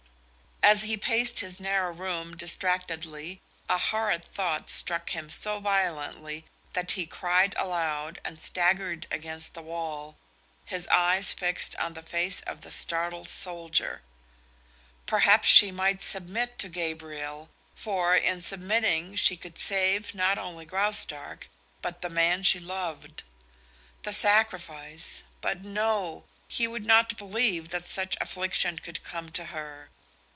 As he paced his narrow room distractedly a horrid thought struck him so violently that he cried aloud and staggered against the wall, his eyes fixed on the face of the startled soldier. Perhaps she might submit to Gabriel, for in submitting she could save not only Graustark, but the man she loved. The sacrifice but no! he would not believe that such affliction could come to her!